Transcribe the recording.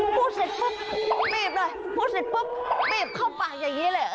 พูดเสร็จปุ๊บบีบเลยพูดเสร็จปุ๊บบีบเข้าไปอย่างนี้เลยเหรอ